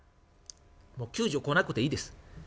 「もう救助来なくていいです。